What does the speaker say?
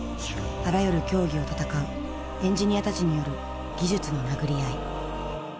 あらゆる競技を戦うエンジニアたちによる技術の殴り合い。